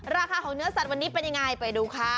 ราคาของเนื้อสัตว์วันนี้เป็นยังไงไปดูค่ะ